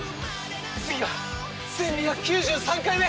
次が１，２９３回目！